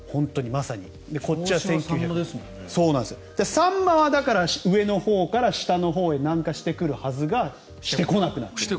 サンマは、だから上のほうから下のほうへ南下してくるはずがしてこなくなった。